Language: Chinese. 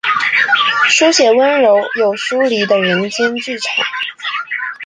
书写温柔又疏离的人间剧场。